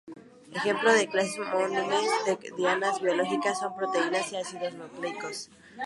Ejemplos de clases comunes de dianas biológicas son proteínas y ácidos nucleicos.